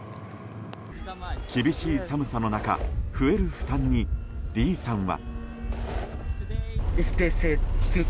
厳しい寒さの中増える負担にリーさんは。